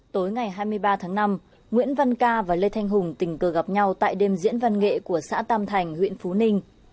tối ngày hai mươi ba tháng năm nguyễn văn ca và lê thanh hùng tình cờ gặp nhau tại đêm diễn văn nghệ của xã tam thành huyện phú ninh